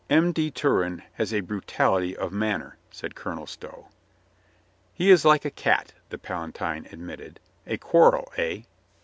"M. de Turenne has a brutality of manner," said Colonel Stow. "He is like a cat," the Palatine admitted. "A quarrel, eh?"